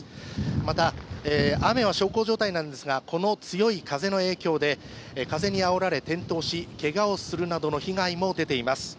また雨は小康状態なんですが、この強い風の影響で、風にあおられ転倒し、けがをするなどの被害も出ています。